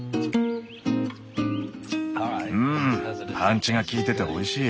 うんパンチが効いてておいしい！